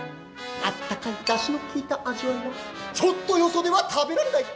あったかい出汁のきいた味わいはちょっとよそでは食べられない！